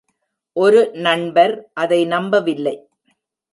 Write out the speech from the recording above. ஒரு நண்பர் அதை நம்பவில்லை.